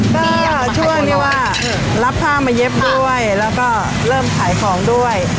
ก็ช่วยไม่ว่ารับผ้ามาเย็บด้วยแล้วก็เริ่มขายของด้วย